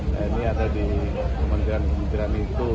nah ini ada di pemerintahan pemerintahan itu